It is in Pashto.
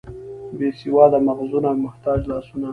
بې سواده مغزونه او محتاج لاسونه.